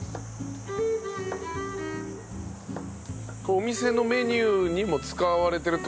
お店のメニューにも使われてるって事ですか？